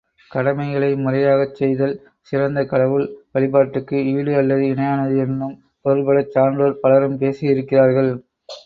கடமைகளை முறையாகச் செய்தல் சிறந்த கடவுள் வழிபாட்டுக்கு ஈடு அல்லது இணையானது என்னும் பொருள்படச் சான்றோர் பலரும் பேசியிருக்கிறார்கள்.